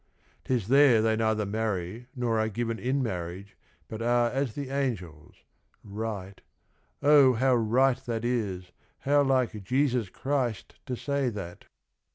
'T is there they neither marry nor are given In marriage but are as the angels : right, Oh, how right that is, how like Jesus Christ To say that I